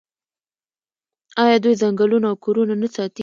آیا دوی ځنګلونه او کورونه نه ساتي؟